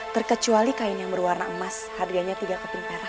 terkecuali kain yang berwarna emas harganya tiga keping perak